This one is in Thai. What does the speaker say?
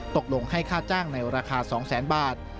ตกลงให้ค่าจ้างในราคา๒๐๐๐๐บาท